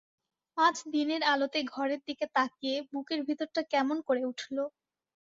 আজ দিনের আলোতে ঘরের দিকে তাকিয়ে বুকের ভিতরটা কেমন করে উঠল!